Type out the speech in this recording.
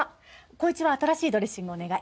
紘一は新しいドレッシングお願い。